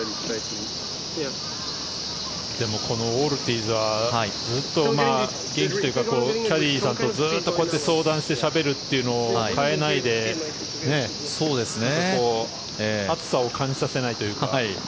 でもこのオルティーズはずっと元気というかキャディーさんとずっとこうやって相談してしゃべるというのを変えないで暑さを感じさせないというか。